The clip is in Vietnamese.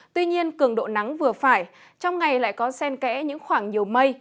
tuy nhiên cường độ nắng vừa phải trong ngày lại có sen kẽ những khoảng nhiều mây